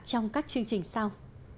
trong các chương trình sau